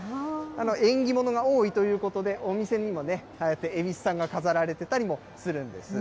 縁起物が多いということで、お店にもね、ああやってえびすさんが飾られてたりもするんです。